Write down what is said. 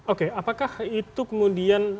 oke apakah itu kemudian